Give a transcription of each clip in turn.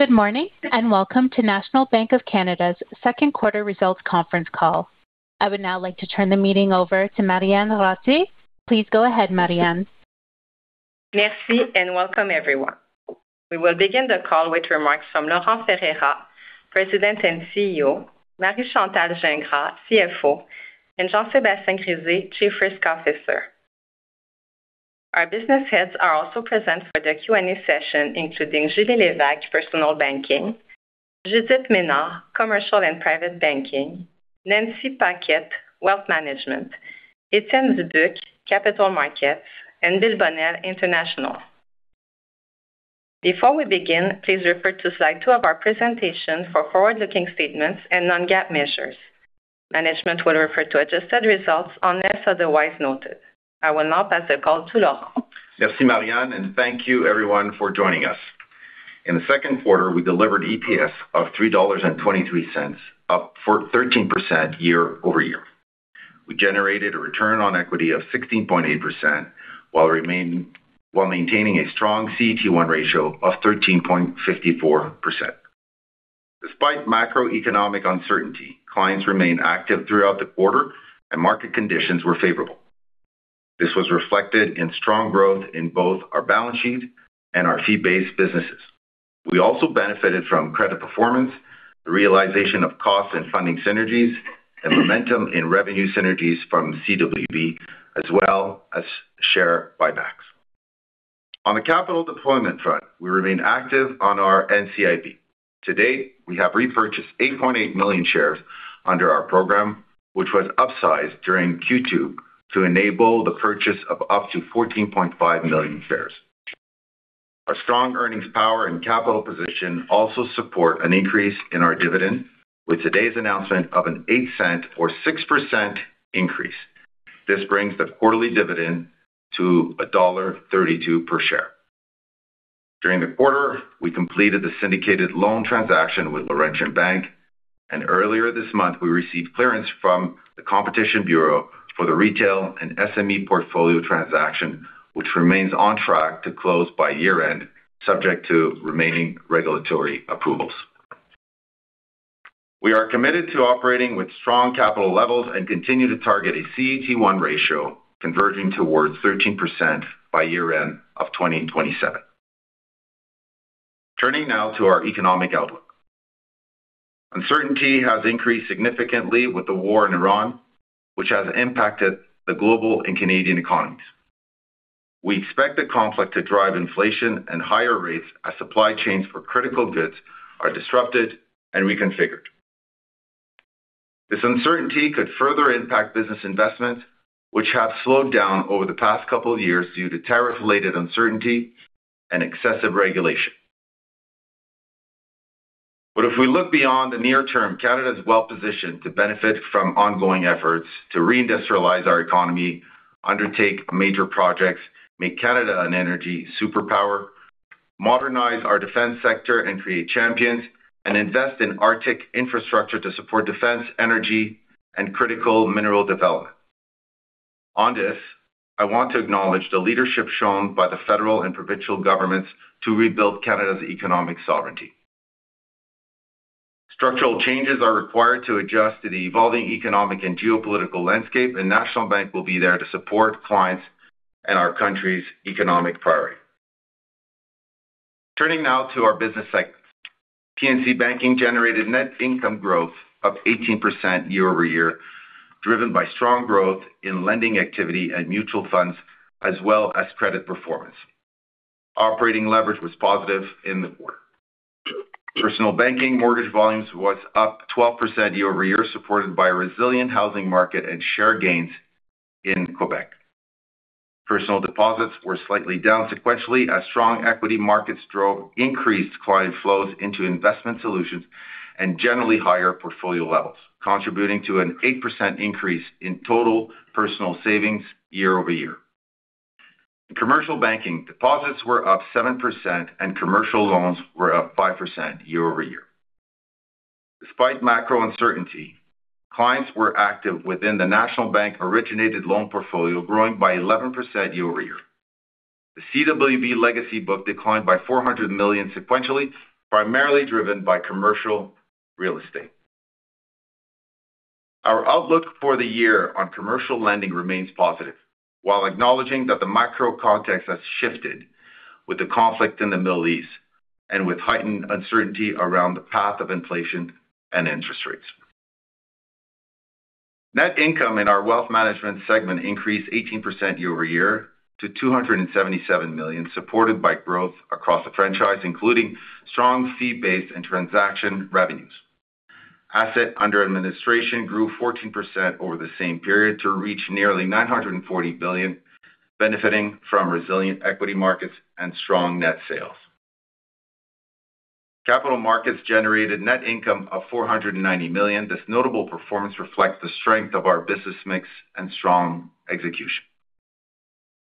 Good morning. Welcome to National Bank of Canada's second quarter results conference call. I would now like to turn the meeting over to Marianne Ratté. Please go ahead, Marianne. Merci, and welcome everyone. We will begin the call with remarks from Laurent Ferreira, President and CEO, Marie-Chantal Gingras, CFO, and Jean-Sébastien Grisé, Chief Risk Officer. Our business heads are also present for the Q&A session, including Julie Lévesque, Personal Banking, Judith Ménard, Commercial and Private Banking, Nancy Paquet, Wealth Management, Étienne Dubuc, Capital Markets, and William Bonnell, International. Before we begin, please refer to slide two of our presentation for forward-looking statements and non-GAAP measures. Management will refer to adjusted results unless otherwise noted. I will now pass the call to Laurent. Merci, Marianne. Thank you everyone for joining us. In the second quarter, we delivered EPS of 3.23 dollars, up 13% year-over-year. We generated a return on equity of 16.8%, while maintaining a strong CET1 ratio of 13.54%. Despite macroeconomic uncertainty, clients remained active throughout the quarter, and market conditions were favorable. This was reflected in strong growth in both our balance sheet and our fee-based businesses. We also benefited from credit performance, the realization of cost and funding synergies, and momentum in revenue synergies from CWB, as well as share buybacks. On the capital deployment front, we remain active on our NCIB. To date, we have repurchased 8.8 million shares under our program, which was upsized during Q2 to enable the purchase of up to 14.5 million shares. Our strong earnings power and capital position also support an increase in our dividend with today's announcement of a 0.08 or 6% increase. This brings the quarterly dividend to dollar 1.32 per share. During the quarter, we completed the syndicated loan transaction with Laurentian Bank. Earlier this month, we received clearance from the Competition Bureau for the retail and SME portfolio transaction, which remains on track to close by year-end, subject to remaining regulatory approvals. We are committed to operating with strong capital levels and continue to target a CET1 ratio converging towards 13% by year-end of 2027. Turning now to our economic outlook. Uncertainty has increased significantly with the war in Ukraine, which has impacted the global and Canadian economies. We expect the conflict to drive inflation and higher rates as supply chains for critical goods are disrupted and reconfigured. This uncertainty could further impact business investments, which have slowed down over the past couple of years due to tariff-related uncertainty and excessive regulation. If we look beyond the near term, Canada is well-positioned to benefit from ongoing efforts to reindustrialize our economy, undertake major projects, make Canada an energy superpower, modernize our defense sector, and create champions, and invest in Arctic infrastructure to support defense, energy, and critical mineral development. On this, I want to acknowledge the leadership shown by the federal and provincial governments to rebuild Canada's economic sovereignty. Structural changes are required to adjust to the evolving economic and geopolitical landscape, and National Bank will be there to support clients and our country's economic priority. Turning now to our business segments. P&C Banking generated net income growth of 18% year-over-year, driven by strong growth in lending activity and mutual funds, as well as credit performance. Operating leverage was positive in the quarter. Personal Banking mortgage volumes was up 12% year-over-year, supported by a resilient housing market and share gains in Quebec. Personal deposits were slightly down sequentially as strong equity markets drove increased client flows into investment solutions and generally higher portfolio levels, contributing to an 8% increase in total personal savings year-over-year. In Commercial Banking, deposits were up 7% and commercial loans were up 5% year-over-year. Despite macro uncertainty, clients were active within the National Bank of Canada-originated loan portfolio, growing by 11% year-over-year. The Canadian Western Bank legacy book declined by 400 million sequentially, primarily driven by commercial real estate. Our outlook for the year on commercial lending remains positive, while acknowledging that the macro context has shifted with the conflict in the Middle East and with heightened uncertainty around the path of inflation and interest rates. Net income in our Wealth Management segment increased 18% year-over-year to 277 million, supported by growth across the franchise, including strong fee-based and transaction revenues. Assets under administration grew 14% over the same period to reach nearly 940 billion, benefiting from resilient equity markets and strong net sales. Capital Markets generated net income of 490 million. This notable performance reflects the strength of our business mix and strong execution.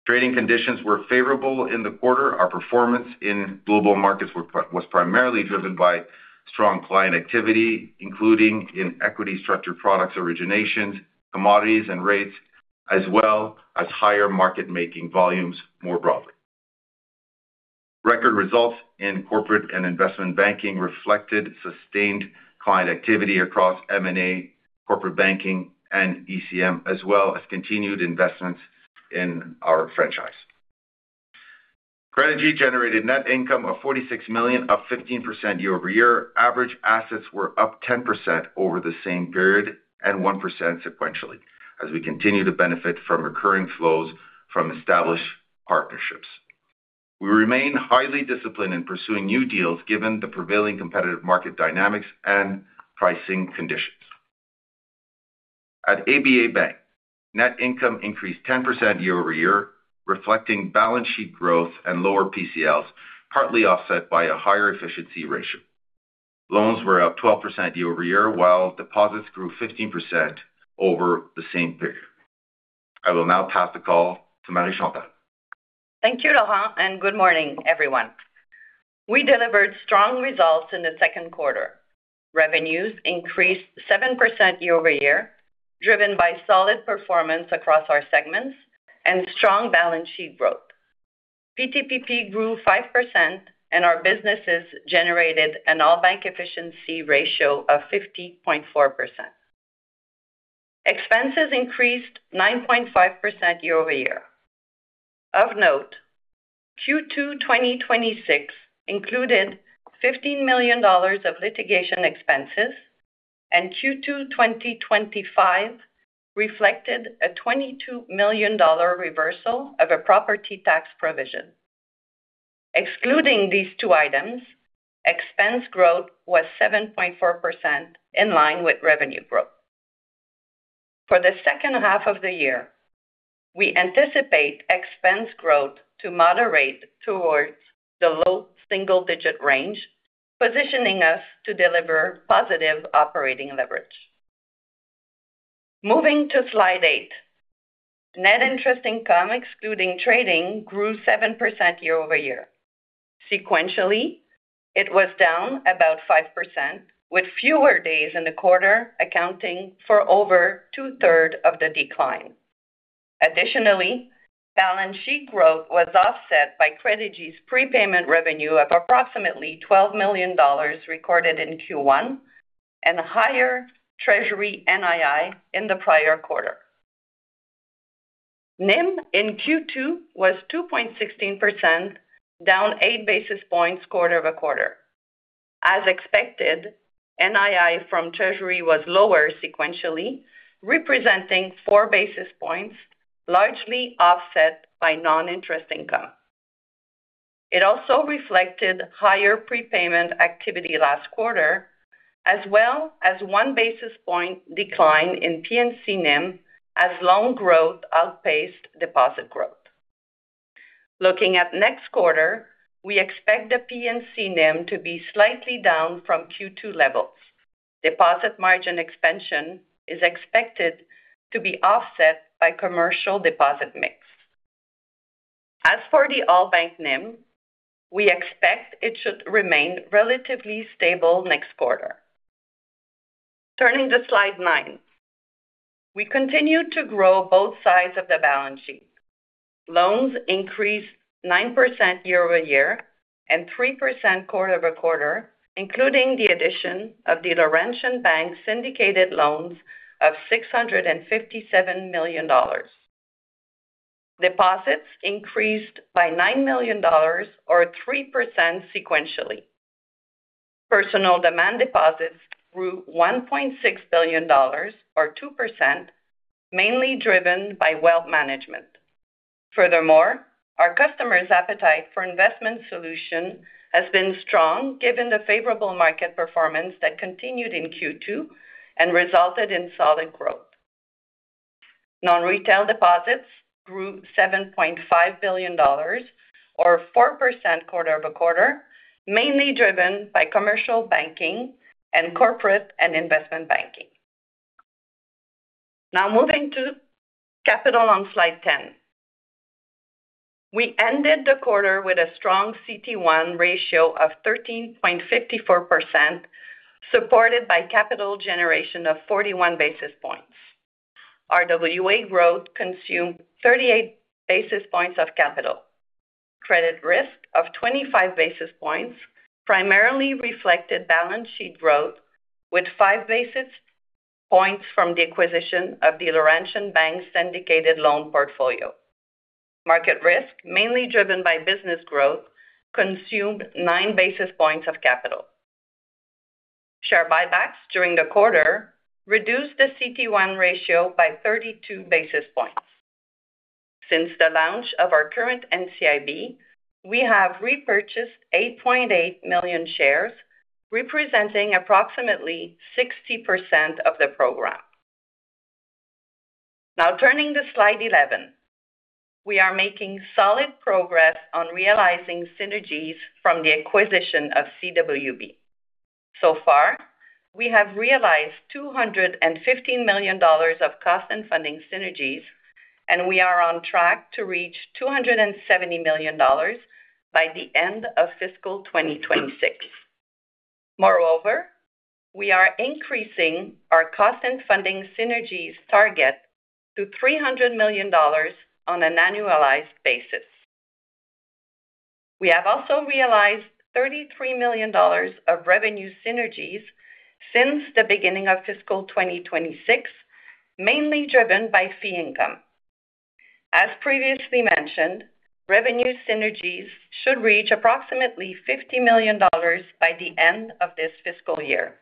Trading conditions were favorable in the quarter. Our performance in global markets was primarily driven by strong client activity, including in equity structured products, originations, commodities, and rates, as well as higher market-making volumes more broadly. Record results in corporate and investment banking reflected sustained client activity across M&A, corporate banking, and ECM, as well as continued investments in our franchise. Credigy generated net income of 46 million, up 15% year-over-year. Average assets were up 10% over the same period and 1% sequentially, as we continue to benefit from recurring flows from established partnerships. We remain highly disciplined in pursuing new deals given the prevailing competitive market dynamics and pricing conditions. At ABA Bank, net income increased 10% year-over-year, reflecting balance sheet growth and lower PCLs, partly offset by a higher efficiency ratio. Loans were up 12% year-over-year, while deposits grew 15% over the same period. I will now pass the call to Marie-Chantal. Thank you, Laurent, and good morning, everyone. We delivered strong results in the second quarter. Revenues increased 7% year-over-year, driven by solid performance across our segments and strong balance sheet growth. PTPP grew 5% and our businesses generated an all bank efficiency ratio of 50.4%. Expenses increased 9.5% year-over-year. Of note, Q2 2026 included CAD 15 million of litigation expenses, and Q2 2025 reflected a 22 million dollar reversal of a property tax provision. Excluding these two items, expense growth was 7.4%, in line with revenue growth. For the second half of the year, we anticipate expense growth to moderate towards the low single-digit range, positioning us to deliver positive operating leverage. Moving to slide eight. Net interest income, excluding trading, grew 7% year-over-year. Sequentially, it was down about 5%, with fewer days in the quarter accounting for over two-third of the decline. Additionally, balance sheet growth was offset by Credigy's prepayment revenue of approximately 12 million dollars recorded in Q1 and higher Treasury NII in the prior quarter. NIM in Q2 was 2.16%, down eight basis points quarter-over-quarter. As expected, NII from Treasury was lower sequentially, representing four basis points, largely offset by non-interest income. It also reflected higher prepayment activity last quarter, as well as one basis point decline in P&C NIM as loan growth outpaced deposit growth. Looking at next quarter, we expect the P&C NIM to be slightly down from Q2 levels. Deposit margin expansion is expected to be offset by commercial deposit mix. As for the all-bank NIM, we expect it should remain relatively stable next quarter. Turning to slide nine. We continued to grow both sides of the balance sheet. Loans increased 9% year-over-year and 3% quarter-over-quarter, including the addition of the Laurentian Bank syndicated loans of 657 million dollars. Deposits increased by 9 million dollars, or 3% sequentially. Personal demand deposits grew 1.6 billion dollars, or 2%, mainly driven by Wealth Management. Furthermore, our customers' appetite for investment solution has been strong given the favorable market performance that continued in Q2 and resulted in solid growth. Non-retail deposits grew CAD 7.5 billion, or 4% quarter-over-quarter, mainly driven by Commercial Banking and corporate and investment banking. Now moving to capital on slide 10. We ended the quarter with a strong CET1 ratio of 13.54%, supported by capital generation of 41 basis points. RWA growth consumed 38 basis points of capital. Credit risk of 25 basis points primarily reflected balance sheet growth with five basis points from the acquisition of the Laurentian Bank syndicated loan portfolio. Market risk, mainly driven by business growth, consumed nine basis points of capital. Share buybacks during the quarter reduced the CET1 ratio by 32 basis points. Since the launch of our current NCIB, we have repurchased 8.8 million shares, representing approximately 60% of the program. Turning to slide 11. We are making solid progress on realizing synergies from the acquisition of Canadian Western Bank. So far, we have realized 215 million dollars of cost and funding synergies, and we are on track to reach 270 million dollars by the end of fiscal 2026. We are increasing our cost and funding synergies target to 300 million dollars on an annualized basis. We have also realized 33 million dollars of revenue synergies since the beginning of fiscal 2026, mainly driven by fee income. As previously mentioned, revenue synergies should reach approximately 50 million dollars by the end of this fiscal year.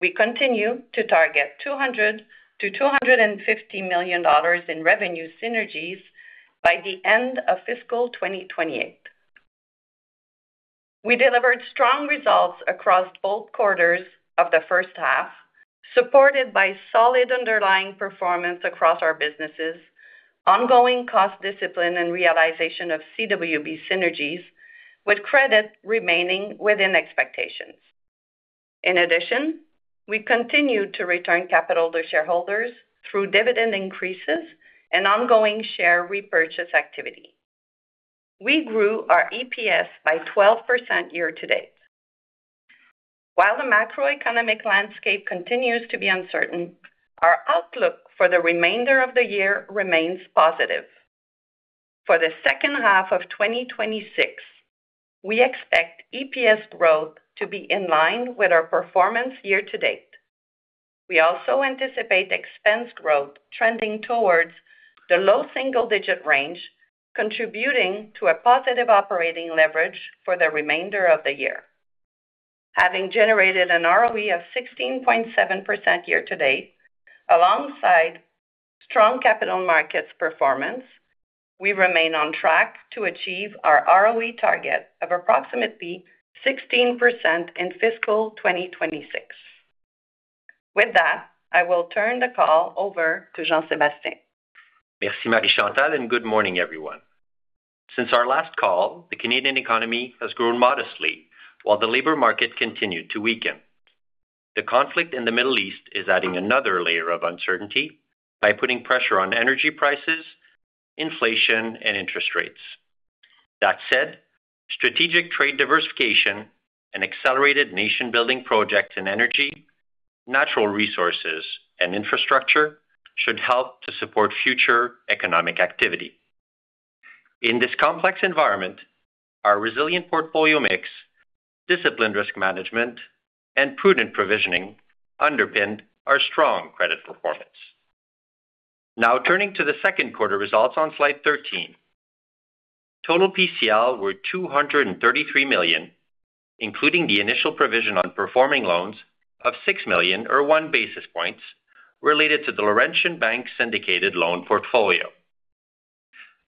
We continue to target 200 million-250 million dollars in revenue synergies by the end of fiscal 2028. We delivered strong results across both quarters of the first half, supported by solid underlying performance across our businesses, ongoing cost discipline and realization of CWB synergies, with credit remaining within expectations. In addition, we continue to return capital to shareholders through dividend increases and ongoing share repurchase activity. We grew our EPS by 12% year to date. While the macroeconomic landscape continues to be uncertain, our outlook for the remainder of the year remains positive. For the second half of 2026, we expect EPS growth to be in line with our performance year to date. We also anticipate expense growth trending towards the low single-digit range, contributing to a positive operating leverage for the remainder of the year. Having generated an ROE of 16.7% year to date, alongside strong capital markets performance, we remain on track to achieve our ROE target of approximately 16% in fiscal 2026. With that, I will turn the call over to Jean-Sébastien. Merci, Marie-Chantal. Good morning, everyone. Since our last call, the Canadian economy has grown modestly while the labor market continued to weaken. The conflict in the Middle East is adding another layer of uncertainty by putting pressure on energy prices, inflation, and interest rates. That said, strategic trade diversification and accelerated nation-building projects in energy, natural resources, and infrastructure should help to support future economic activity. In this complex environment, our resilient portfolio mix, disciplined risk management, and prudent provisioning underpin our strong credit performance. Now turning to the second quarter results on slide 13. Total PCL were 233 million, including the initial provision on performing loans of 6 million or one basis point related to the Laurentian Bank syndicated loan portfolio.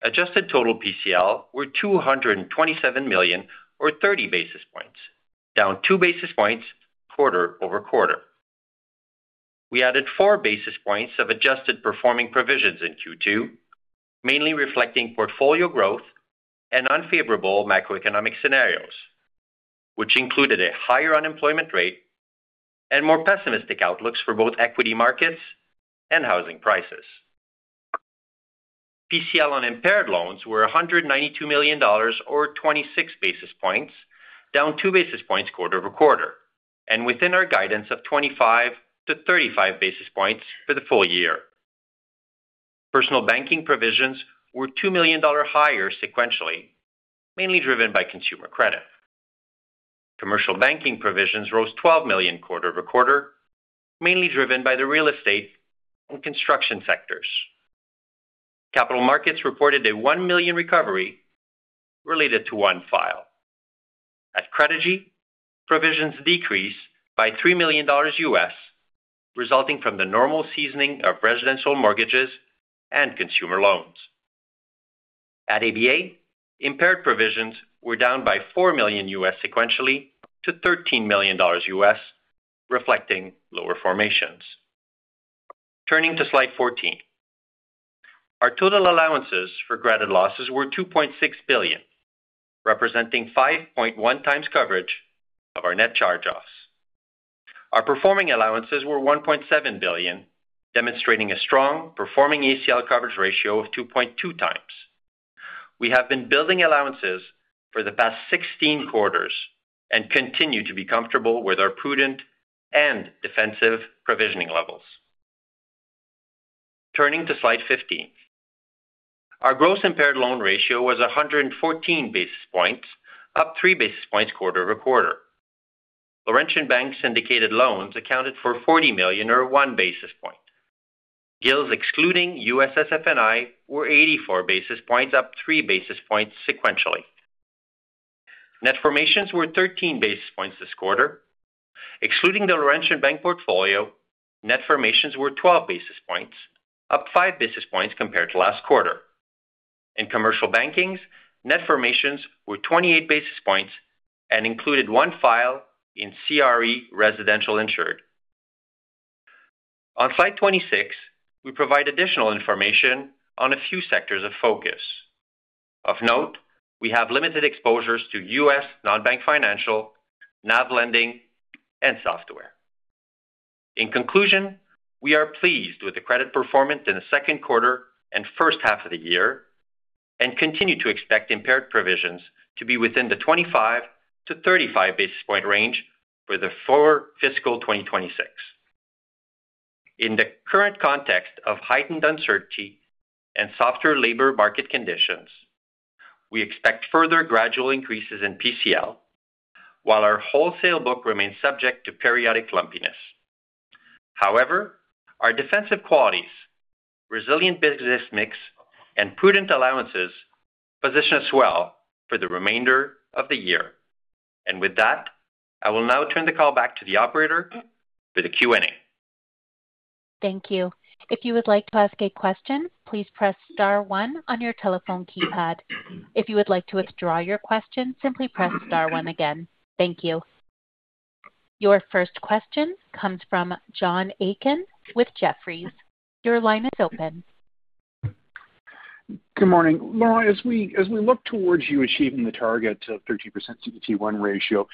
Adjusted total PCL were 227 million or 30 basis points, down two basis points quarter-over-quarter. We added four basis points of adjusted performing provisions in Q2, mainly reflecting portfolio growth and unfavorable macroeconomic scenarios, which included a higher unemployment rate and more pessimistic outlooks for both equity markets and housing prices. PCL on impaired loans were 192 million dollars, or 26 basis points, down two basis points quarter-over-quarter, and within our guidance of 25-35 basis points for the full year. Personal Banking provisions were 2 million dollar higher sequentially, mainly driven by consumer credit. Commercial Banking provisions rose 12 million quarter-over-quarter, mainly driven by the real estate and construction sectors. Capital Markets reported a 1 million recovery related to one file. At Credigy, provisions decreased by $3 million, resulting from the normal seasoning of residential mortgages and consumer loans. At ABA, impaired provisions were down by $4 million sequentially to $13 million, reflecting lower formations. Turning to slide 14. Our total allowances for granted losses were 2.6 billion, representing 5.1 times coverage of our net charge-offs. Our performing allowances were 1.7 billion, demonstrating a strong performing ACL coverage ratio of 2.2 times. We have been building allowances for the past 16 quarters and continue to be comfortable with our prudent and defensive provisioning levels. Turning to slide 15. Our gross impaired loan ratio was 114 basis points, up 3 basis points quarter-over-quarter. Laurentian Bank syndicated loans accounted for 40 million, or one basis point. GILS, excluding USSF&I, were 84 basis points, up 3 basis points sequentially. Net formations were 13 basis points this quarter. Excluding the Laurentian Bank portfolio, net formations were 12 basis points, up five basis points compared to last quarter. In commercial banking, net formations were 28 basis points and included one file in CRE residential insured On slide 26, we provide additional information on a few sectors of focus. Of note, we have limited exposures to U.S. non-bank financial, NAV lending, and software. In conclusion, we are pleased with the credit performance in the second quarter and first half of the year, and continue to expect impaired provisions to be within the 25-35 basis points range for the full fiscal 2026. In the current context of heightened uncertainty and softer labor market conditions, we expect further gradual increases in PCL, while our wholesale book remains subject to periodic lumpiness. However, our defensive qualities, resilient business mix, and prudent allowances position us well for the remainder of the year. With that, I will now turn the call back to the operator for the Q&A. Thank you. Thank you. Your first question comes from John Aiken with Jefferies. Your line is open. Good morning. Laurent, as we look towards you achieving the target of 13% CET1 ratio,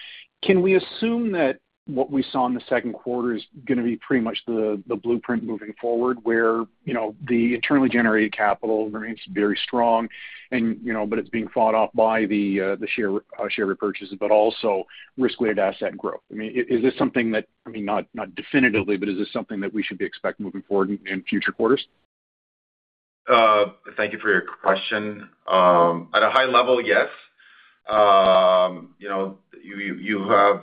can we assume that what we saw in the second quarter is going to be pretty much the blueprint moving forward? Where the internally generated capital remains very strong, but it's being fought off by the share repurchases, but also risk-weighted asset growth. Is this something that, not definitively, but is this something that we should be expecting moving forward in future quarters? Thank you for your question. At a high level, yes. You have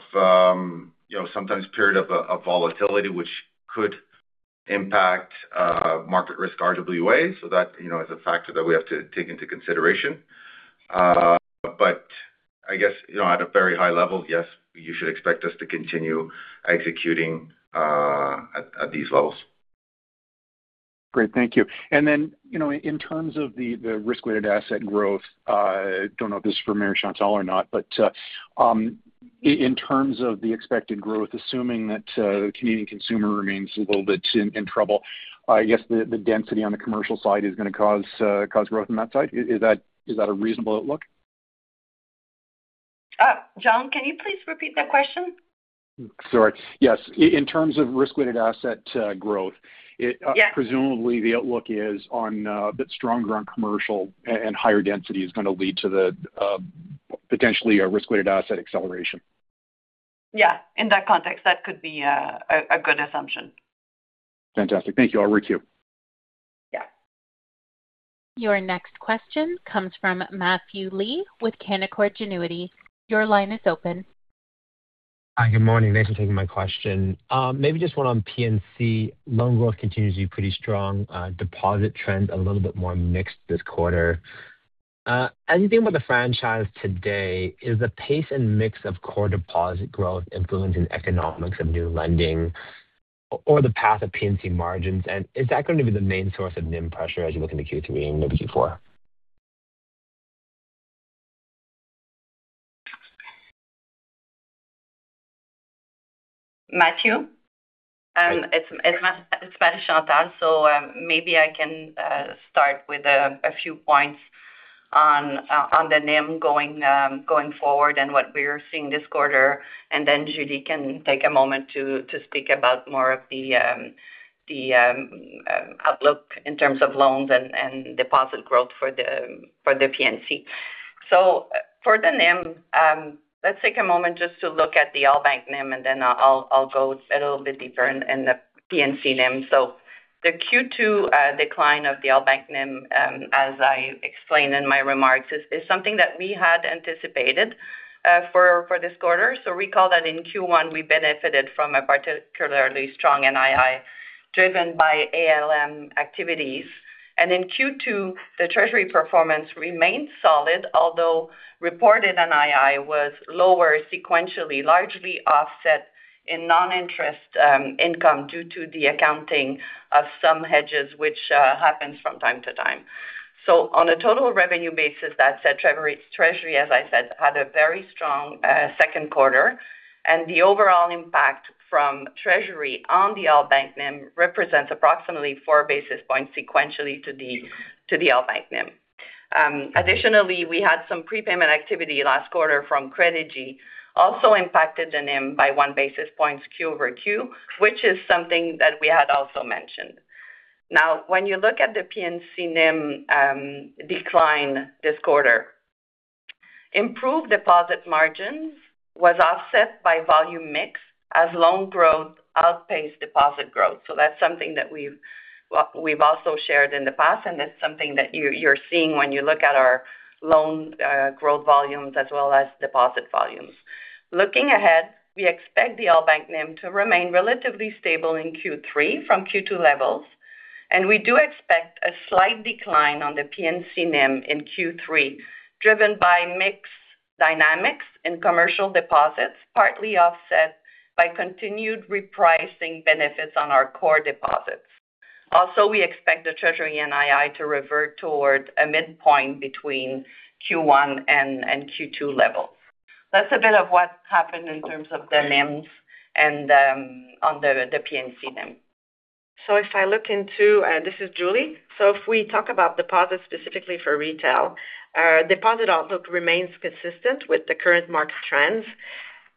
sometimes period of volatility, which could impact market risk RWA. That is a factor that we have to take into consideration. I guess, at a very high level, yes, you should expect us to continue executing at these levels. Great, thank you. In terms of the risk-weighted asset growth, I don't know if this is for Marie-Chantal or not, but in terms of the expected growth, assuming that the Canadian consumer remains a little bit in trouble, I guess the density on the Commercial side is going to cause growth on that side. Is that a reasonable outlook? John, can you please repeat that question? Sorry. Yes. In terms of risk-weighted asset growth- Yes. Presumably the outlook is a bit stronger on Commercial and higher density is going to lead to the potentially risk-weighted asset acceleration. Yeah. In that context, that could be a good assumption. Fantastic. Thank you. I'll requeue. Yeah. Your next question comes from Matthew Lee with Canaccord Genuity. Your line is open. Hi, good morning. Thanks for taking my question. Maybe just one on P&C. Loan growth continues to be pretty strong. Deposit trends a little bit more mixed this quarter. As you think about the franchise today, is the pace and mix of core deposit growth influencing economics of new lending or the path of P&C margins? Is that going to be the main source of NIM pressure as you look into Q3 and maybe Q4? Matthew? Hi. It's Marie-Chantal. Maybe I can start with a few points on the NIM going forward and what we're seeing this quarter, and then Julie can take a moment to speak about more of the outlook in terms of loans and deposit growth for the P&C. For the NIM, let's take a moment just to look at the all-bank NIM, and then I'll go a little bit deeper in the P&C NIM. The Q2 decline of the all-bank NIM, as I explained in my remarks, is something that we had anticipated for this quarter. Recall that in Q1 we benefited from a particularly strong NII driven by ALM activities. In Q2, the treasury performance remained solid, although reported NII was lower sequentially, largely offset in non-interest income due to the accounting of some hedges, which happens from time to time. On a total revenue basis, that said treasury, as I said, had a very strong second quarter. The overall impact from treasury on the all-bank NIM represents approximately four basis points sequentially to the all-bank NIM. Additionally, we had some prepayment activity last quarter from Credigy also impacted the NIM by one basis point Q-over-Q, which is something that we had also mentioned. When you look at the P&C NIM decline this quarter, improved deposit margins was offset by volume mix as loan growth outpaced deposit growth. That's something that we've also shared in the past, and it's something that you're seeing when you look at our loan growth volumes as well as deposit volumes. Looking ahead, we expect the all-bank NIM to remain relatively stable in Q3 from Q2 levels, and we do expect a slight decline on the P&C NIM in Q3, driven by mix dynamics in commercial deposits, partly offset by continued repricing benefits on our core deposits. We expect the treasury NII to revert toward a midpoint between Q1 and Q2 level. That's a bit of what happened in terms of the NIMs and on the P&C NIM. This is Julie. If we talk about deposits specifically for retail, our deposit outlook remains consistent with the current market trends.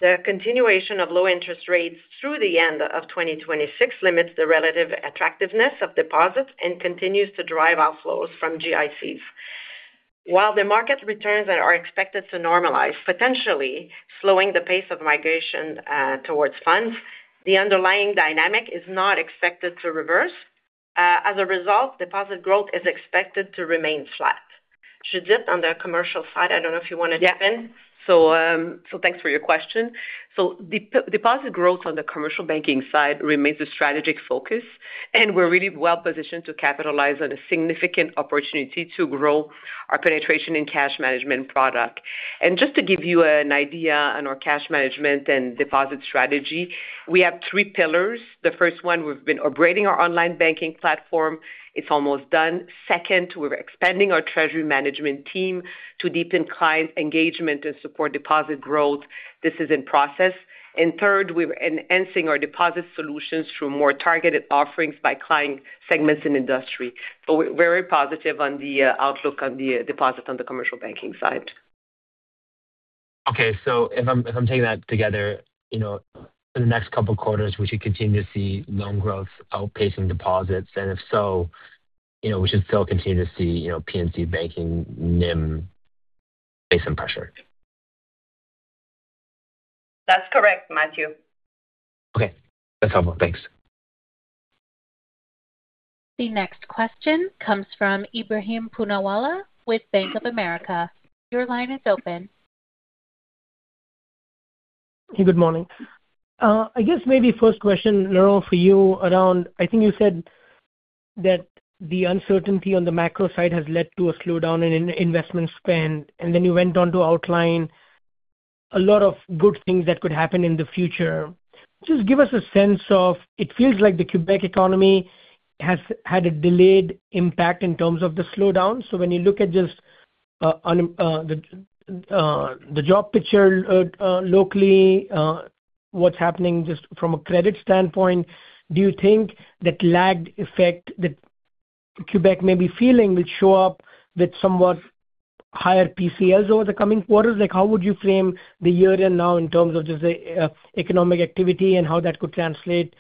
The continuation of low interest rates through the end of 2026 limits the relative attractiveness of deposits and continues to drive outflows from GICs. While the market returns are expected to normalize, potentially slowing the pace of migration towards funds, the underlying dynamic is not expected to reverse. As a result, deposit growth is expected to remain flat. Judith, on the commercial side, I don't know if you want to dip in. Thanks for your question. Deposit growth on the commercial banking side remains a strategic focus, and we're really well-positioned to capitalize on a significant opportunity to grow our penetration in cash management product. Just to give you an idea on our cash management and deposit strategy, we have three pillars. The first one, we've been upgrading our online banking platform. It's almost done. Second, we're expanding our treasury management team to deepen client engagement and support deposit growth. This is in process. Third, we're enhancing our deposit solutions through more targeted offerings by client segments and industry. We're very positive on the outlook on the deposit on the commercial banking side. Okay. If I'm taking that together, for the next couple of quarters, we should continue to see loan growth outpacing deposits, and if so, we should still continue to see P&C banking NIM face some pressure. That's correct, Matthew. Okay. That's helpful. Thanks. The next question comes from Ebrahim Poonawala with Bank of America. Your line is open. Hey, good morning. I guess maybe first question, Laurent, for you around, I think you said that the uncertainty on the macro side has led to a slowdown in investment spend, and then you went on to outline a lot of good things that could happen in the future. Just give us a sense of, it feels like the Quebec economy has had a delayed impact in terms of the slowdown. When you look at just the job picture locally, what's happening just from a credit standpoint, do you think that lagged effect that Quebec may be feeling will show up with somewhat higher PCLs over the coming quarters? How would you frame the year-end now in terms of just the economic activity and how that could translate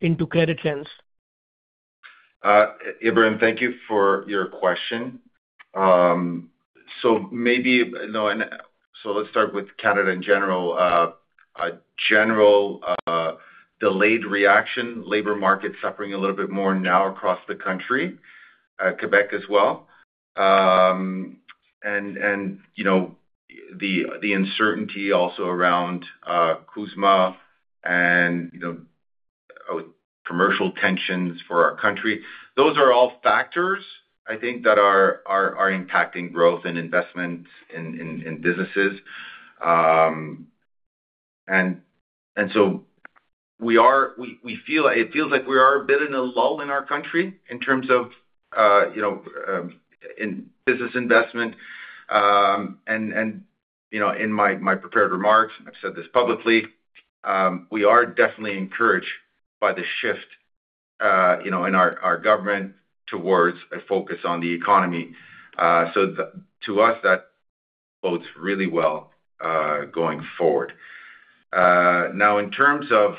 into credit trends? Ebrahim, thank you for your question. Let's start with Canada in general. A general delayed reaction, labor market suffering a little bit more now across the country, Quebec as well. The uncertainty also around CUSMA and commercial tensions for our country. Those are all factors, I think, that are impacting growth and investment in businesses. It feels like we are a bit in a lull in our country in terms of in business investment. In my prepared remarks, and I've said this publicly, we are definitely encouraged by the shift in our government towards a focus on the economy. To us, that bodes really well going forward. In terms of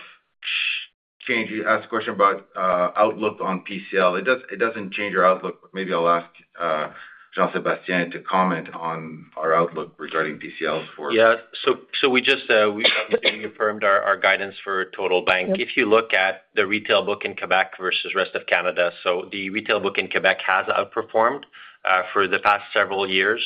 change, you asked a question about outlook on PCL. It doesn't change our outlook, but maybe I'll ask Jean-Sébastien to comment on our outlook regarding PCL for- Yeah. We just affirmed our guidance for total bank. If you look at the retail book in Quebec versus rest of Canada, so the retail book in Quebec has outperformed for the past several years.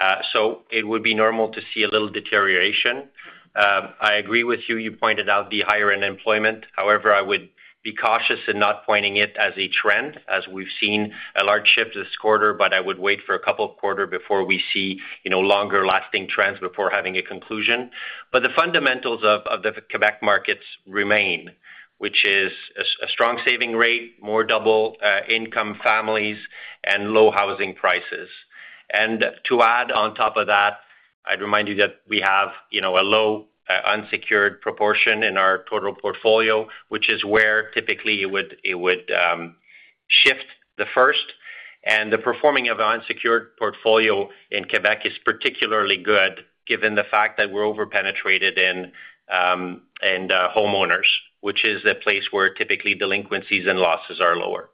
It would be normal to see a little deterioration. I agree with you pointed out the higher unemployment. However, I would be cautious in not pointing it as a trend, as we've seen a large shift this quarter, but I would wait for a couple of quarter before we see longer-lasting trends before having a conclusion. The fundamentals of the Quebec markets remain, which is a strong saving rate, more double income families, and low housing prices. To add on top of that, I'd remind you that we have a low unsecured proportion in our total portfolio, which is where typically it would shift the first. The performing of our unsecured portfolio in Quebec is particularly good given the fact that we're over-penetrated in homeowners, which is a place where typically delinquencies and losses are lower.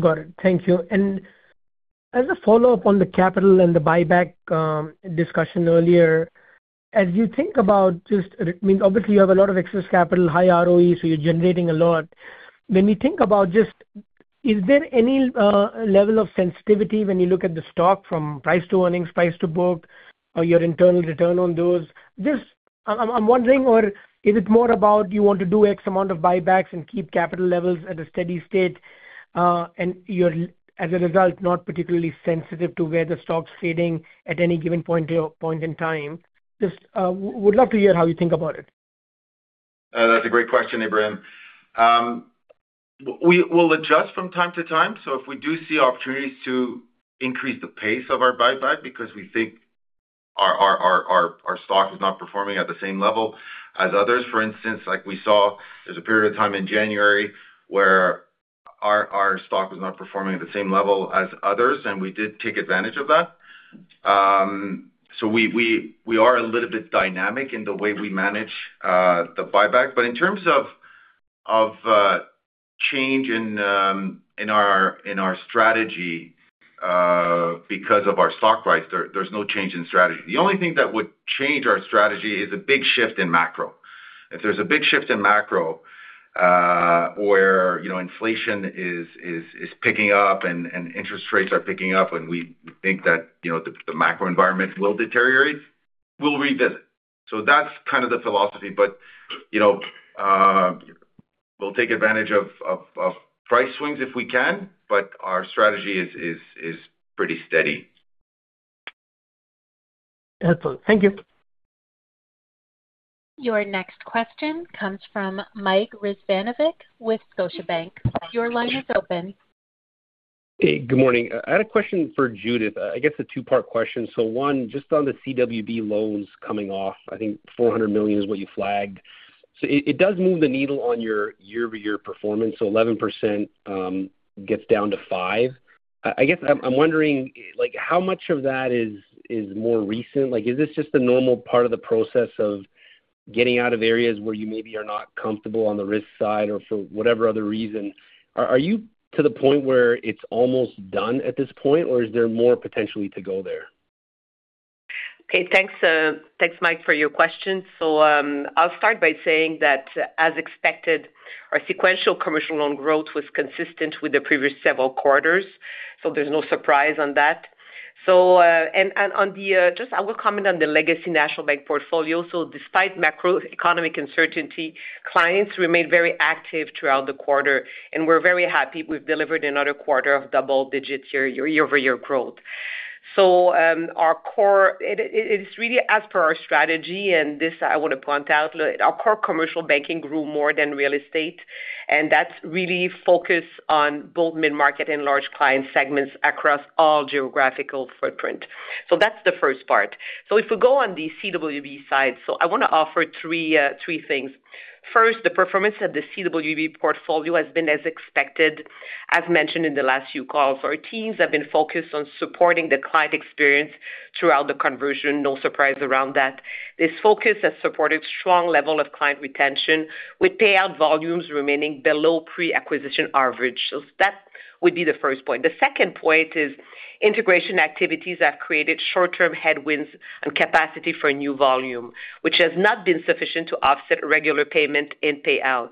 Got it. Thank you. As a follow-up on the capital and the buyback discussion earlier, as you think about I mean, obviously, you have a lot of excess capital, high ROE, so you're generating a lot. When you think about, is there any level of sensitivity when you look at the stock from price to earnings, price to book, or your internal return on those? I'm wondering, or is it more about you want to do X amount of buybacks and keep capital levels at a steady state, and you're, as a result, not particularly sensitive to where the stock's sitting at any given point in time? Would love to hear how you think about it. That's a great question, Ebrahim. We'll adjust from time to time. If we do see opportunities to increase the pace of our buyback because we think our stock is not performing at the same level as others. For instance, like we saw there's a period of time in January where our stock was not performing at the same level as others, and we did take advantage of that. We are a little bit dynamic in the way we manage the buyback. In terms of change in our strategy because of our stock price, there's no change in strategy. The only thing that would change our strategy is a big shift in macro. If there's a big shift in macro, where inflation is picking up and interest rates are picking up, and we think that the macro environment will deteriorate, we'll revisit. That's kind of the philosophy. We'll take advantage of price swings if we can, but our strategy is pretty steady. Excellent. Thank you. Your next question comes from Mike Rizvanovic with Scotiabank. Your line is open. Hey, good morning. I had a question for Judith. I guess a two-part question. One, just on the CWB loans coming off, I think 400 million is what you flagged. It does move the needle on your year-over-year performance. 11% gets down to 5%. I guess I'm wondering how much of that is more recent? Is this just a normal part of the process of getting out of areas where you maybe are not comfortable on the risk side or for whatever other reason? Are you to the point where it's almost done at this point, or is there more potentially to go there? Okay. Thanks, Mike, for your question. I'll start by saying that as expected, our sequential commercial loan growth was consistent with the previous several quarters. There's no surprise on that. I will comment on the legacy National Bank portfolio. Despite macroeconomic uncertainty, clients remained very active throughout the quarter, and we're very happy we've delivered another quarter of double digits year-over-year growth. It is really as per our strategy, and this I want to point out, our core commercial banking grew more than real estate, and that's really focused on both mid-market and large client segments across all geographical footprint. That's the first part. If we go on the CWB side, so I want to offer three things. First, the performance of the CWB portfolio has been as expected. As mentioned in the last few calls, our teams have been focused on supporting the client experience throughout the conversion. No surprise around that. This focus has supported strong level of client retention with payout volumes remaining below pre-acquisition average. That would be the first point. The second point is integration activities have created short-term headwinds and capacity for new volume, which has not been sufficient to offset regular payment and payout.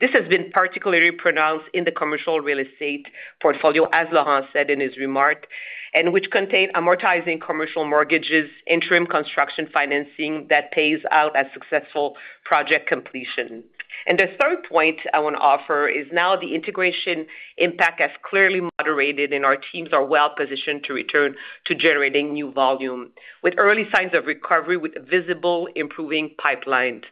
This has been particularly pronounced in the commercial real estate portfolio, as Laurent said in his remark, and which contained amortizing commercial mortgages, interim construction financing that pays out at successful project completion. The third point I want to offer is now the integration impact has clearly moderated, and our teams are well-positioned to return to generating new volume with early signs of recovery with visible improving pipeline,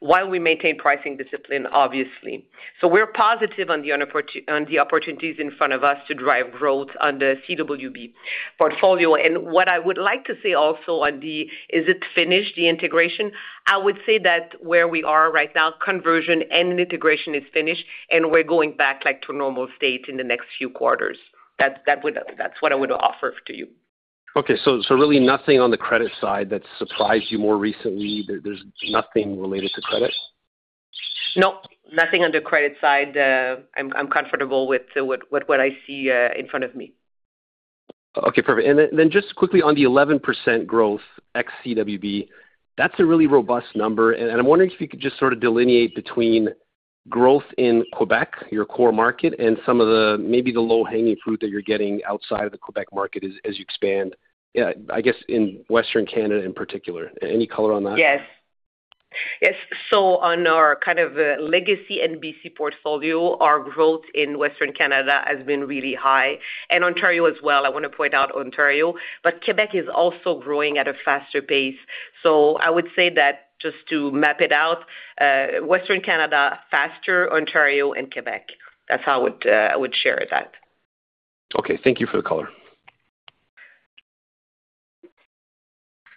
while we maintain pricing discipline, obviously. We're positive on the opportunities in front of us to drive growth on the CWB portfolio. What I would like to say also, is it finished, the integration? I would say that where we are right now, conversion and integration is finished, and we're going back to normal state in the next few quarters. That's what I would offer to you. Okay. Really nothing on the credit side that surprised you more recently? There's nothing related to credit? No, nothing on the credit side. I'm comfortable with what I see in front of me. Okay, perfect. Then just quickly on the 11% growth ex CWB, that's a really robust number, and I'm wondering if you could just sort of delineate between growth in Quebec, your core market, and some of the, maybe the low-hanging fruit that you're getting outside of the Quebec market as you expand. I guess in Western Canada in particular. Any color on that? Yes. On our kind of legacy NBC portfolio, our growth in Western Canada has been really high, and Ontario as well. I want to point out Ontario. Quebec is also growing at a faster pace. I would say that just to map it out, Western Canada faster, Ontario, and Quebec. That's how I would share that. Okay. Thank you for the color.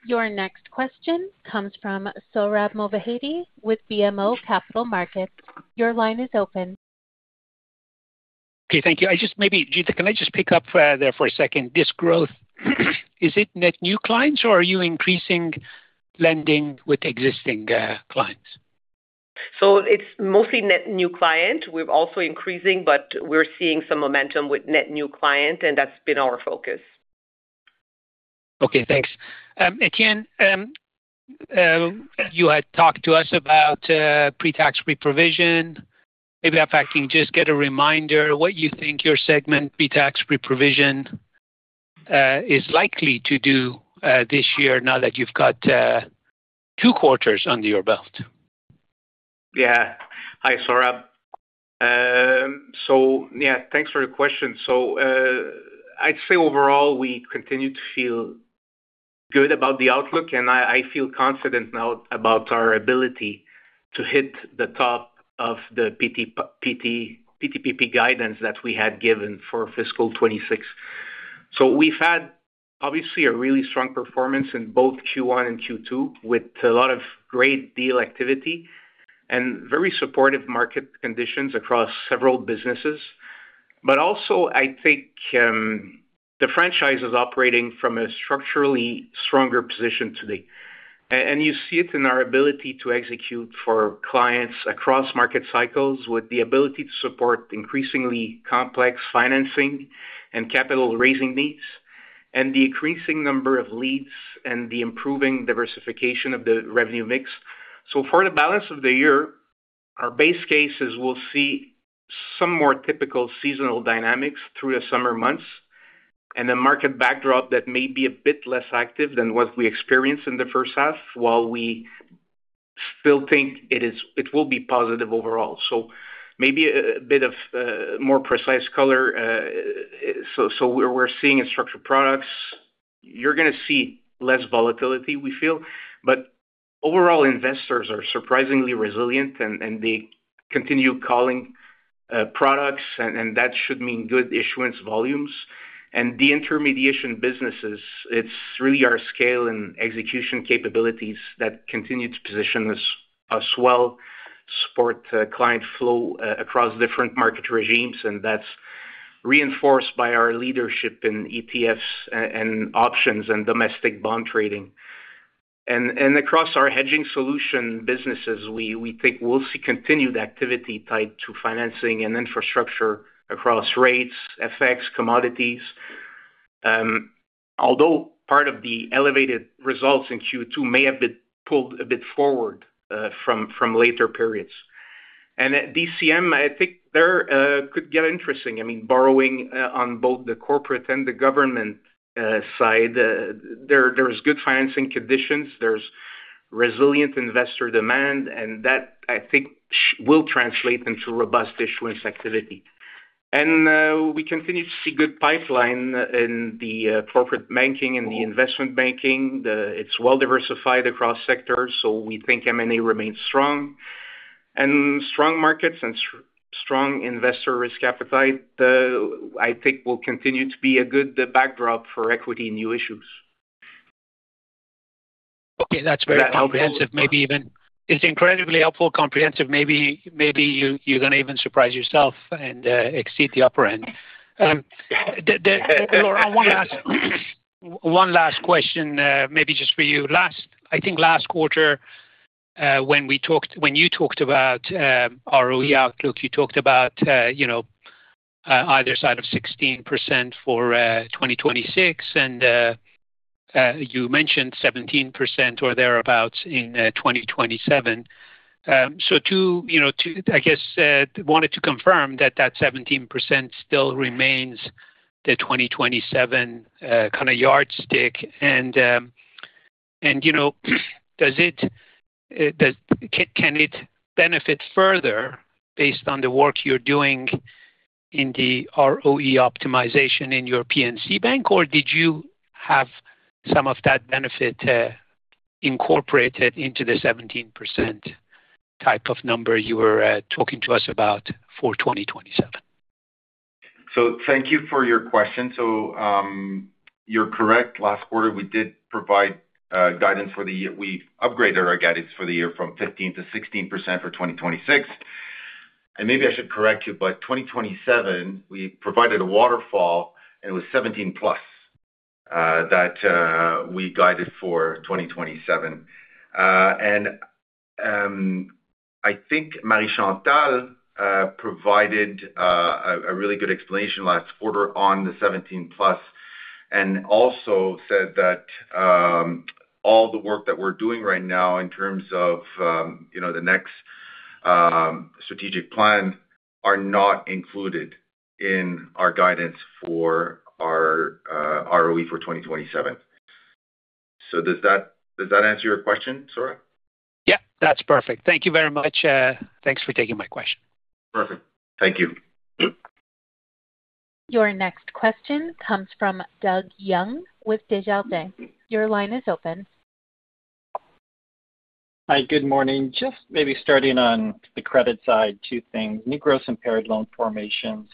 Your next question comes from Sohrab Movahedi with BMO Capital Markets. Your line is open. Okay, thank you. Judith, can I just pick up there for a second? This growth, is it net new clients, or are you increasing lending with existing clients? It's mostly net new client. We're also increasing, but we're seeing some momentum with net new client, and that's been our focus. Okay, thanks. Étienne, you had talked to us about pre-tax pre-provision. Maybe if I can just get a reminder what you think your segment pre-tax pre-provision is likely to do this year now that you've got two quarters under your belt? Yeah. Hi, Sohrab. Yeah, thanks for the question. I'd say overall, we continue to feel good about the outlook, and I feel confident now about our ability to hit the top of the PTPP guidance that we had given for fiscal 2026. We've had obviously a really strong performance in both Q1 and Q2 with a lot of great deal activity and very supportive market conditions across several businesses. Also, I think the franchise is operating from a structurally stronger position today. You see it in our ability to execute for clients across market cycles with the ability to support increasingly complex financing and capital raising needs, and the increasing number of leads and the improving diversification of the revenue mix. For the balance of the year, our base case is we'll see some more typical seasonal dynamics through the summer months, and a market backdrop that may be a bit less active than what we experienced in the first half, while we still think it will be positive overall. Maybe a bit of more precise color, so we're seeing in structured products, you're going to see less volatility, we feel. Overall, investors are surprisingly resilient, and they continue calling products, and that should mean good issuance volumes. The intermediation businesses, it's really our scale and execution capabilities that continue to position us well, support client flow across different market regimes, and that's reinforced by our leadership in ETFs and options and domestic bond trading. Across our hedging solution businesses, we think we'll see continued activity tied to financing and infrastructure across rates, FX, commodities. Although part of the elevated results in Q2 may have been pulled a bit forward from later periods. At DCM, I think there could get interesting. I mean, borrowing on both the corporate and the government side. There's good financing conditions, there's resilient investor demand, and that, I think, will translate into robust issuance activity. We continue to see good pipeline in the corporate banking and the investment banking. It's well diversified across sectors, so we think M&A remains strong. Strong markets and strong investor risk appetite, I think will continue to be a good backdrop for equity new issues. Okay. That's very comprehensive. It's incredibly helpful, comprehensive. Maybe you're going to even surprise yourself and exceed the upper end. Laurent, I want to ask one last question, maybe just for you. I think last quarter when you talked about ROE outlook, you talked about either side of 16% for 2026, and you mentioned 17% or thereabout in 2027. I guess wanted to confirm that that 17% still remains the 2027 kind of yardstick. Can it benefit further based on the work you're doing in the ROE optimization in your P&C Bank, or did you have some of that benefit incorporated into the 17% type of number you were talking to us about for 2027? Thank you for your question. You're correct. Last quarter, we did provide guidance for the year. We upgraded our guidance for the year from 15%-16% for 2026. Maybe I should correct you, but 2027, we provided a waterfall, and it was 17+ that we guided for 2027. I think Marie-Chantal provided a really good explanation last quarter on the 17+, and also said that all the work that we're doing right now in terms of the next strategic plan are not included in our guidance for our ROE for 2027. Does that answer your question, Sohrab? Yeah. That's perfect. Thank you very much. Thanks for taking my question. Perfect. Thank you. Your next question comes from Doug Young with Desjardins. Your line is open. Hi. Good morning. Just maybe starting on the credit side, two things. New gross impaired loan formations.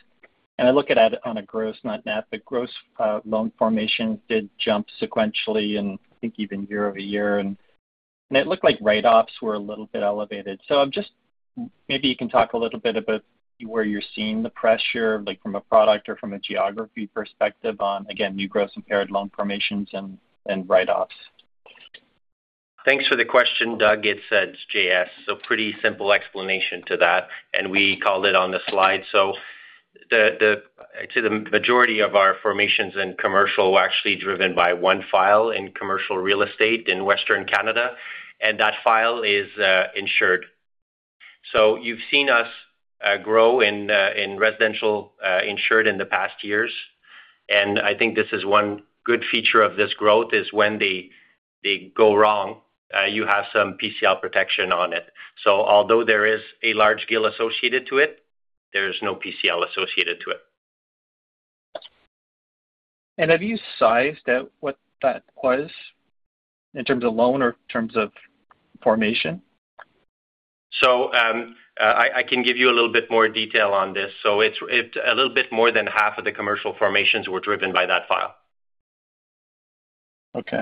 I look at it on a gross, not net. Gross loan formation did jump sequentially and I think even year-over-year, and it looked like write-offs were a little bit elevated. Just maybe you can talk a little bit about where you're seeing the pressure, like from a product or from a geography perspective on, again, new gross impaired loan formations and write-offs. Thanks for the question, Doug. It's J.S. Pretty simple explanation to that, and we called it on the slide. To the majority of our formations in commercial were actually driven by one file in commercial real estate in Western Canada, and that file is insured. You've seen us grow in residential insured in the past years. I think this is one good feature of this growth is when they go wrong, you have some PCL protection on it. Although there is a large GIL associated to it, there is no PCL associated to it. Have you sized out what that was in terms of loan or in terms of formation? I can give you a little bit more detail on this. It's a little bit more than half of the commercial formations were driven by that file. Okay.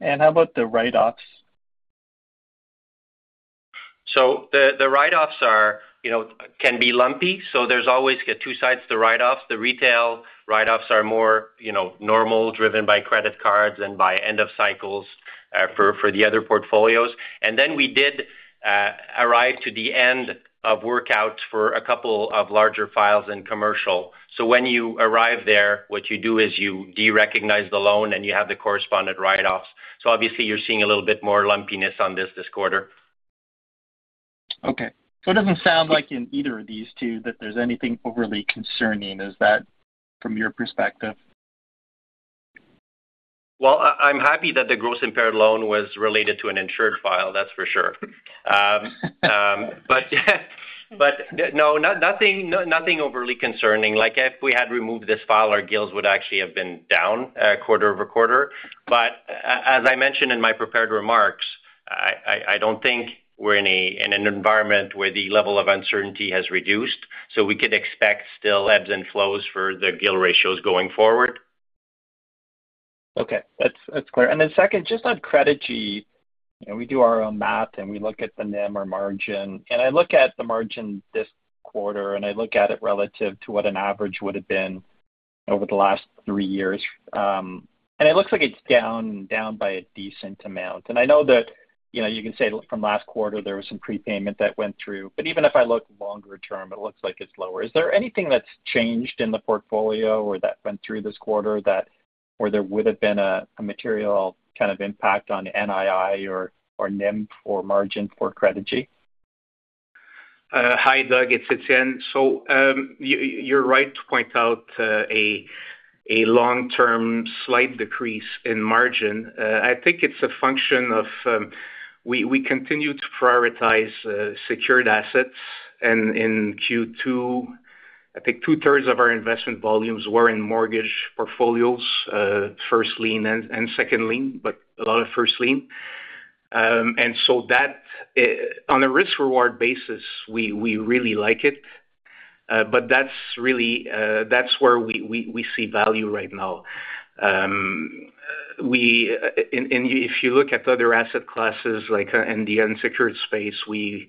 How about the write-offs? The write-offs can be lumpy. There's always two sides to write-offs. The retail write-offs are more normal, driven by credit cards and by end of cycles for the other portfolios. Then we did arrive to the end of workouts for a couple of larger files in commercial. When you arrive there, what you do is you de-recognize the loan, and you have the correspondent write-offs. Obviously you're seeing a little bit more lumpiness on this quarter. It doesn't sound like in either of these two that there's anything overly concerning. Is that from your perspective? Well, I'm happy that the gross impaired loan was related to an insured file, that's for sure. No, nothing overly concerning. Like if we had removed this file, our GILs would actually have been down quarter-over-quarter. As I mentioned in my prepared remarks, I don't think we're in an environment where the level of uncertainty has reduced. We could expect still ebbs and flows for the GIL ratios going forward. Okay. That's clear. Second, just on Credigy, we do our own math and we look at the NIM or margin, and I look at the margin this quarter, and I look at it relative to what an average would've been over the last three years. It looks like it's down by a decent amount. I know that you can say from last quarter there was some prepayment that went through, but even if I look longer term, it looks like it's lower. Is there anything that's changed in the portfolio or that went through this quarter, that where there would've been a material kind of impact on NII or NIM or margin for Credigy? Hi, Doug, it's Étienne. You're right to point out a long-term slight decrease in margin. I think it's a function of we continue to prioritize secured assets. In Q2, I think two-thirds of our investment volumes were in mortgage portfolios. First lien and second lien, but a lot of first lien. That on a risk-reward basis, we really like it. That's where we see value right now. If you look at other asset classes, like in the unsecured space, we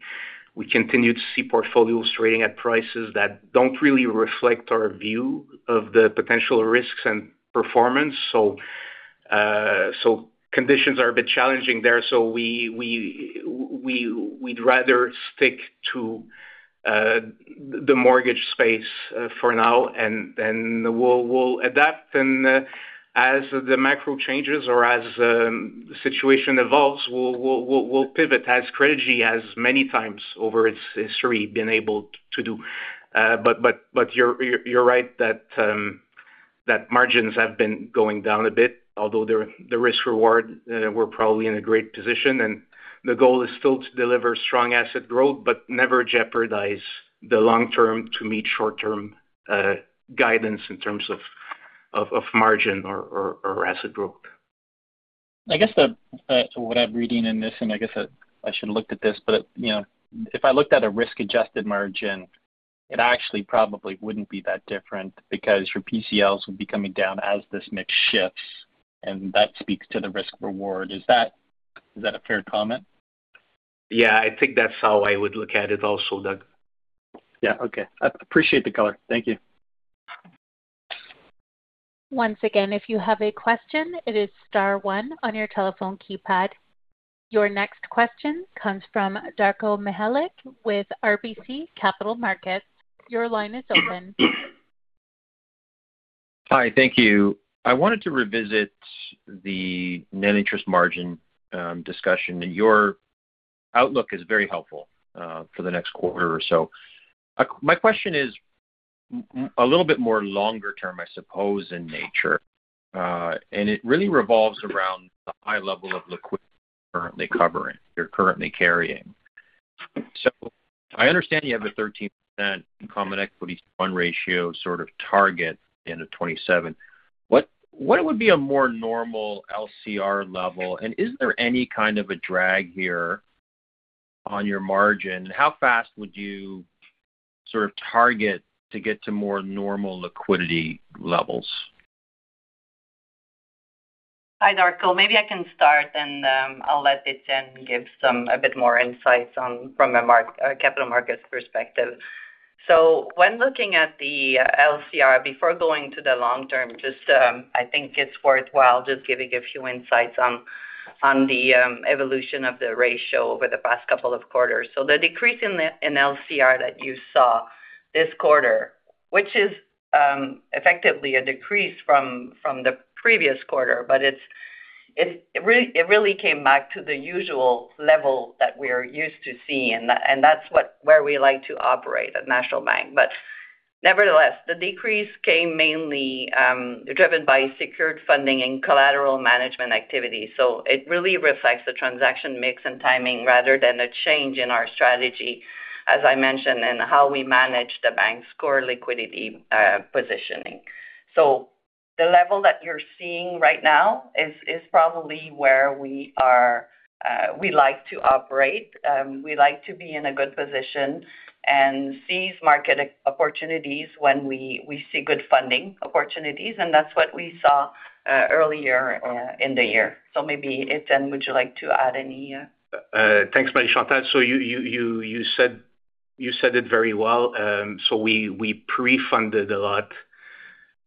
continue to see portfolios trading at prices that don't really reflect our view of the potential risks and performance. Conditions are a bit challenging there. We'd rather stick to the mortgage space for now and we'll adapt. As the macro changes or as the situation evolves, we'll pivot as Credigy has many times over its history been able to do. You're right that margins have been going down a bit, although the risk-reward, we're probably in a great position and the goal is still to deliver strong asset growth, but never jeopardize the long term to meet short-term guidance in terms of margin or asset growth. I guess what I'm reading in this, and I guess I should have looked at this, but if I looked at a risk-adjusted margin, it actually probably wouldn't be that different because your PCLs would be coming down as this mix shifts, and that speaks to the risk-reward. Is that a fair comment? Yeah, I think that's how I would look at it also, Doug. Yeah. Okay. I appreciate the color. Thank you. Once again, if you have a question, it is star one on your telephone keypad. Your next question comes from Darko Mihelic with RBC Capital Markets. Your line is open. Hi. Thank you. I wanted to revisit the net interest margin discussion. Your outlook is very helpful for the next quarter or so. My question is a little bit more longer term, I suppose, in nature. It really revolves around the high level of liquidity you're currently carrying. I understand you have a 13% common equity fund ratio sort of target end of 2027. What would be a more normal LCR level, and is there any kind of a drag here on your margin? How fast would you sort of target to get to more normal liquidity levels? Hi, Darko. Maybe I can start then, I'll let Étienne give a bit more insights from a Capital Markets perspective. When looking at the LCR before going to the long term, I think it's worthwhile just giving a few insights on the evolution of the ratio over the past couple of quarters. The decrease in LCR that you saw this quarter, which is effectively a decrease from the previous quarter, but it's. It really came back to the usual level that we're used to seeing, and that's where we like to operate at National Bank. Nevertheless, the decrease came mainly driven by secured funding and collateral management activity. It really reflects the transaction mix and timing rather than a change in our strategy, as I mentioned, and how we manage the bank's core liquidity positioning. The level that you're seeing right now is probably where we like to operate. We like to be in a good position and seize market opportunities when we see good funding opportunities, and that's what we saw earlier in the year. Maybe, Étienne, would you like to add any? Thanks, Marie-Chantal. You said it very well. We pre-funded a lot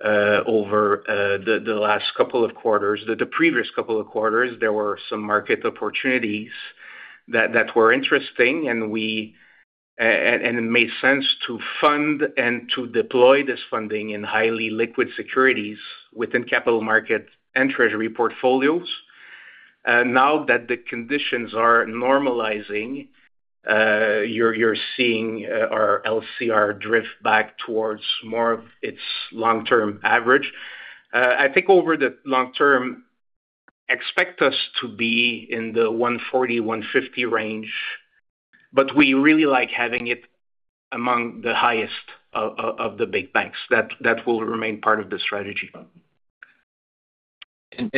over the last couple of quarters. The previous couple of quarters, there were some market opportunities that were interesting, and it made sense to fund and to deploy this funding in highly liquid securities within Capital Markets and treasury portfolios. Now that the conditions are normalizing, you're seeing our LCR drift back towards more of its long-term average. I think over the long term, expect us to be in the 140, 150 range, but we really like having it among the highest of the big banks. That will remain part of the strategy. As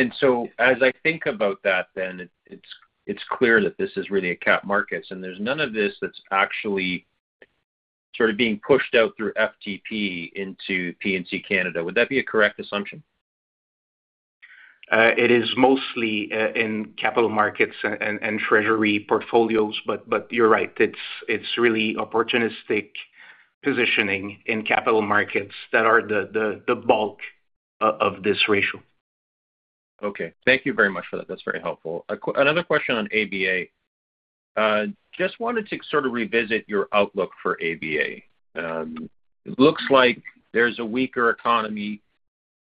I think about that then, it's clear that this is really a Capital Markets, and there's none of this that's actually sort of being pushed out through FTP into P&C Canada. Would that be a correct assumption? It is mostly in capital markets and treasury portfolios, but you're right. It's really opportunistic positioning in capital markets that are the bulk of this ratio. Okay. Thank you very much for that. That's very helpful. Another question on ABA. Just wanted to sort of revisit your outlook for ABA. It looks like there's a weaker economy.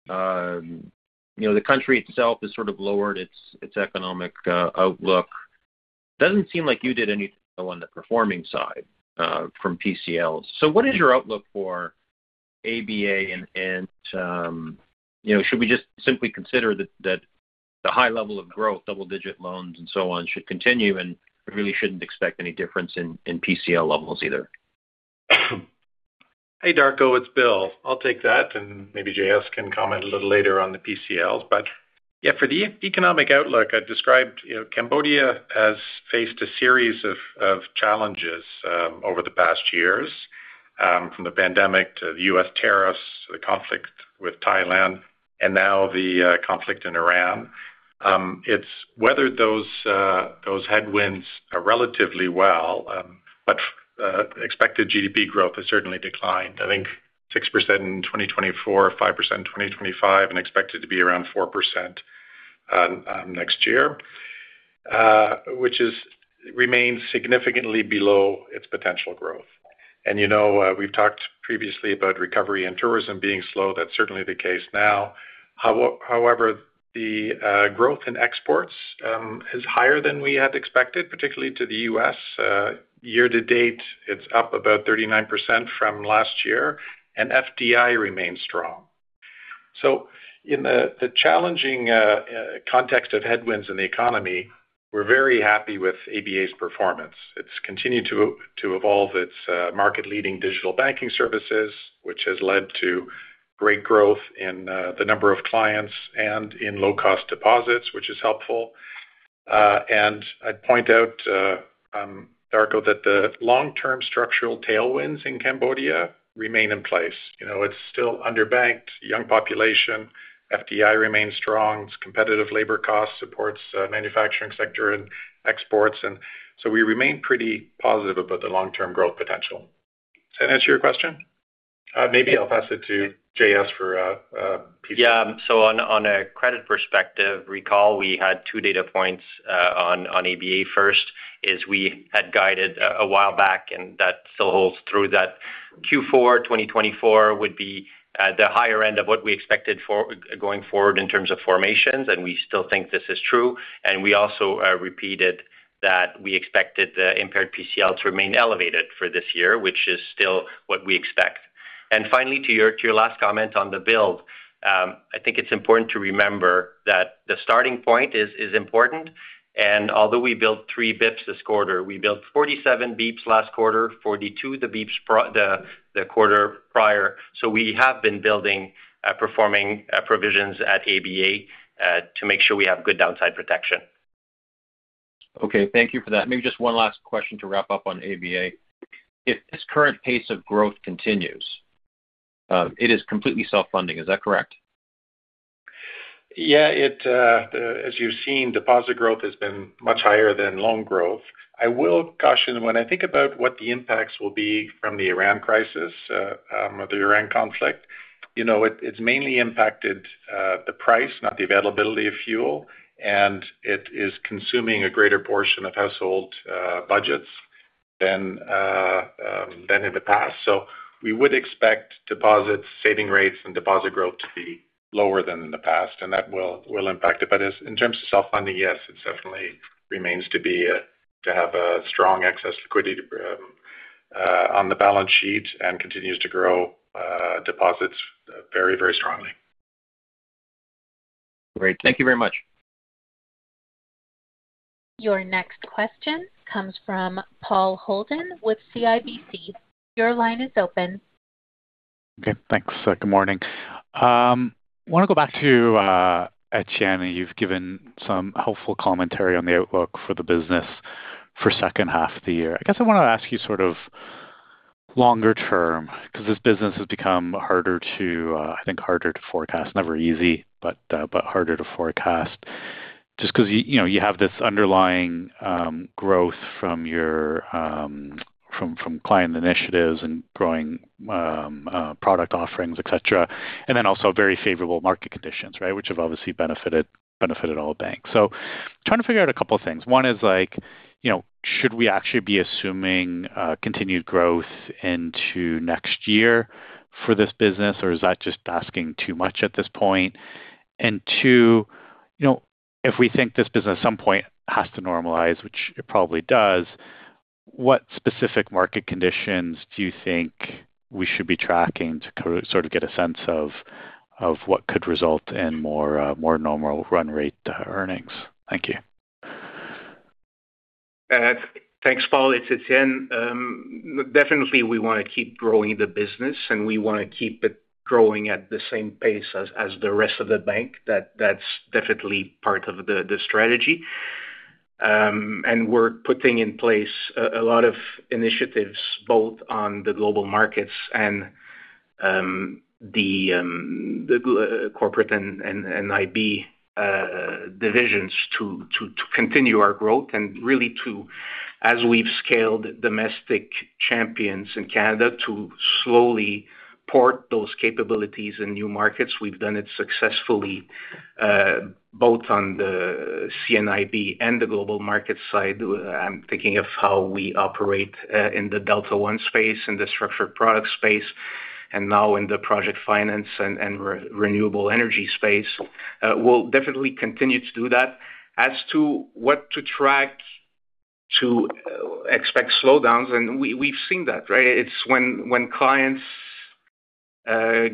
The country itself has sort of lowered its economic outlook. Doesn't seem like you did anything on the performing side from PCLs. What is your outlook for ABA and should we just simply consider that the high level of growth, double-digit loans and so on, should continue, and we really shouldn't expect any difference in PCL levels either? Hey, Darko, it's Bonnell. I'll take that, and maybe J.S. can comment a little later on the PCLs. Yeah, for the economic outlook I described, Cambodia has faced a series of challenges over the past years, from the pandemic to the U.S. tariffs to the conflict with Thailand and now the conflict in Iran. It's weathered those headwinds relatively well, but expected GDP growth has certainly declined. I think 6% in 2024, 5% in 2025, and expected to be around 4% next year, which remains significantly below its potential growth. We've talked previously about recovery and tourism being slow. That's certainly the case now. However, the growth in exports is higher than we had expected, particularly to the U.S. Year to date, it's up about 39% from last year, and FDI remains strong. In the challenging context of headwinds in the economy, we're very happy with ABA's performance. It's continued to evolve its market-leading digital banking services, which has led to great growth in the number of clients and in low-cost deposits, which is helpful. I'd point out, Darko, that the long-term structural tailwinds in Cambodia remain in place. It's still under-banked, young population, FDI remains strong, its competitive labor cost supports manufacturing sector and exports, and so we remain pretty positive about the long-term growth potential. Does that answer your question? Maybe I'll pass it to J.S. for P&C. Yeah. On a credit perspective, recall we had two data points on ABA first, is we had guided a while back, and that still holds true, that Q4 2024 would be the higher end of what we expected going forward in terms of formations, and we still think this is true. We also repeated that we expected the impaired PCL to remain elevated for this year, which is still what we expect. Finally, to your last comment on the build, I think it's important to remember that the starting point is important, and although we built 3 basis points this quarter, we built 47 basis points last quarter, 42 the quarter prior. We have been building performing provisions at ABA to make sure we have good downside protection. Okay. Thank you for that. Maybe just one last question to wrap up on ABA. If this current pace of growth continues, it is completely self-funding, is that correct? Yeah. As you've seen, deposit growth has been much higher than loan growth. I will caution when I think about what the impacts will be from the Iran crisis or the Iran conflict, it's mainly impacted the price, not the availability of fuel, and it is consuming a greater portion of household budgets. Than in the past. We would expect deposit saving rates and deposit growth to be lower than in the past, and that will impact it. In terms of self-funding, yes, it definitely remains to have a strong excess liquidity on the balance sheet and continues to grow deposits very strongly. Great. Thank you very much. Your next question comes from Paul Holden with CIBC. Your line is open. Okay, thanks. Good morning. I want to go back to Étienne. You've given some helpful commentary on the outlook for the business for second half of the year. I guess I want to ask you sort of longer term, because this business has become, I think, harder to forecast. Never easy, but harder to forecast just because you have this underlying growth from client initiatives and growing product offerings, et cetera. Also very favorable market conditions, right, which have obviously benefited all banks. Trying to figure out a couple of things. One is should we actually be assuming continued growth into next year for this business, or is that just asking too much at this point? Two, if we think this business at some point has to normalize, which it probably does, what specific market conditions do you think we should be tracking to sort of get a sense of what could result in more normal run rate earnings? Thank you. Thanks, Paul. It's Étienne. Definitely, we want to keep growing the business, and we want to keep it growing at the same pace as the rest of the bank. That's definitely part of the strategy. We're putting in place a lot of initiatives both on the Global Markets and the Corporate and IB divisions to continue our growth and really to, as we've scaled domestic champions in Canada, to slowly port those capabilities in new markets. We've done it successfully both on the CIB and the Global Markets side. I'm thinking of how we operate in the Delta One space, in the structured product space, and now in the project finance and renewable energy space. We'll definitely continue to do that. As to what to track to expect slowdowns, and we've seen that, right? It's when clients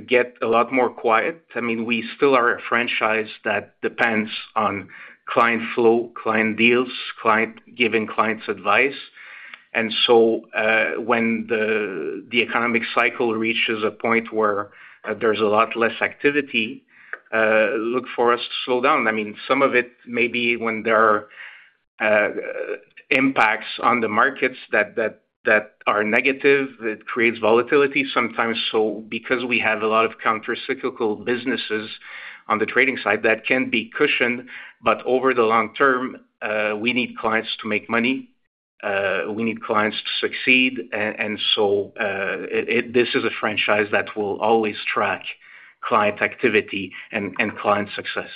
get a lot more quiet. I mean, we still are a franchise that depends on client flow, client deals, giving clients advice, and so when the economic cycle reaches a point where there's a lot less activity, look for us to slow down. I mean, some of it may be when there are impacts on the markets that are negative, it creates volatility sometimes. Because we have a lot of countercyclical businesses on the trading side, that can be cushioned, but over the long term, we need clients to make money. We need clients to succeed. This is a franchise that will always track client activity and client success.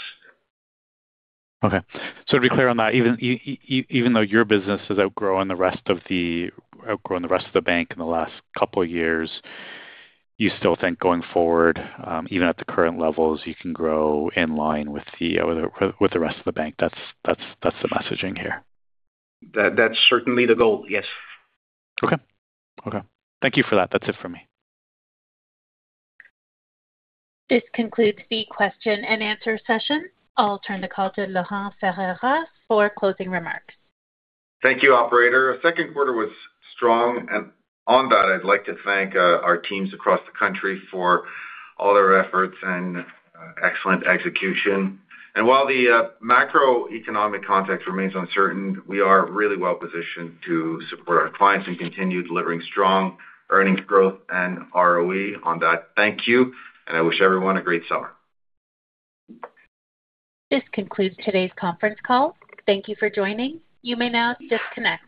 Okay. To be clear on that, even though your business has outgrown the rest of the bank in the last couple of years, you still think going forward, even at the current levels, you can grow in line with the rest of the bank. That's the messaging here? That's certainly the goal, yes. Okay. Thank you for that. That's it for me. This concludes the question and answer session. I'll turn the call to Laurent Ferreira for closing remarks. Thank you, operator. Second quarter was strong, on that, I'd like to thank our teams across the country for all their efforts and excellent execution. While the macroeconomic context remains uncertain, we are really well-positioned to support our clients and continue delivering strong earnings growth and ROE. On that, thank you, and I wish everyone a great summer. This concludes today's conference call. Thank you for joining. You may now disconnect.